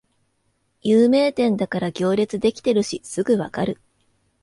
有名店だから行列できてるしすぐわかる